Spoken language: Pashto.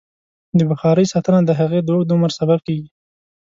د بخارۍ ساتنه د هغې د اوږد عمر سبب کېږي.